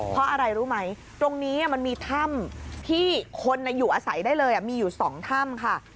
เพราะอะไรรู้ไหมตรงนี้มันมีถ้ำที่คนอยู่อาศัยได้เลยมีอยู่๒ถ้ำค่ะ